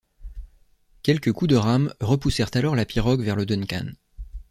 Quelques coups de rames repoussèrent alors la pirogue vers le Duncan.